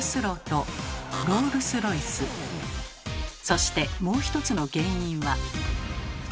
そしてもう一つの原因は。